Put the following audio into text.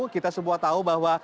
kita semua tahu bahwa